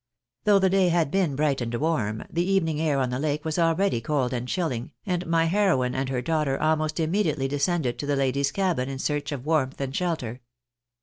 Though the day had been bright and warm, the evening air on the lake was already cold and chilling, and my heroine and her daughter almost immediately descended to the ladies' cabin in search of warmth and shelter.